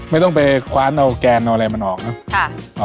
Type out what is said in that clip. ไม่ต้องไปคว้านเอาแกนเอาอะไรมันออกเนอะ